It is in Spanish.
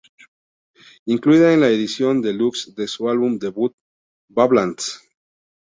Incluida en la edición deluxe de su álbum debut "Badlands".